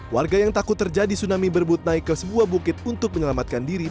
warga yang takut terjadi tsunami berebut naik ke sebuah bukit untuk menyelamatkan diri